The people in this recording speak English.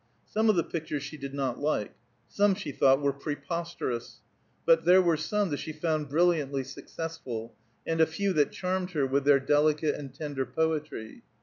Some of the pictures she did not like; some she thought were preposterous; but there were some that she found brilliantly successful, and a few that charmed her with their delicate and tender poetry.